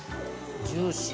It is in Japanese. ジューシー。